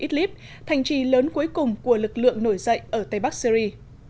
idlib thành trì lớn cuối cùng của lực lượng nổi dậy ở tây bắc syri